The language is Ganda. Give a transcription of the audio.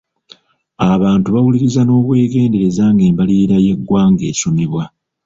Abantu baawuliriza n'obwegenddereza ng'embalirira y'eggwanga esomebwa.